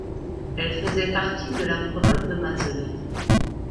Elle faisait partie de la province de Mazovie.